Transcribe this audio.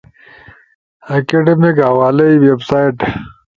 اکیڈیمک حوالئی، ویب سائٹس